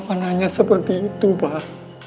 kalau wulan hanya seperti itu pak